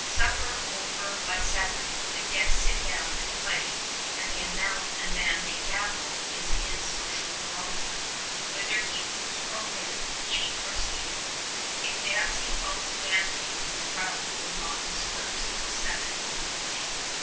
Supper over by seven, the guests sit down to play, and the amount a man may gamble is his social barometer, whether he lose or win, cheat or steal. If dancing follows gambling, the rout will not disperse till seven in the morning.